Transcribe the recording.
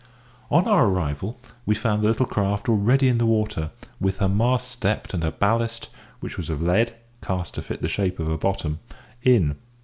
On our arrival we found the little craft already in the water, with her mast stepped and her ballast (which was of lead, cast to fit the shape of her bottom) in.